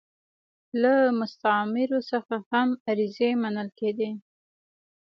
له مستعمرو څخه هم عریضې منل کېدې.